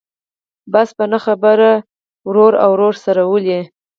بس په نه خبره ورور او ورور سره ولي.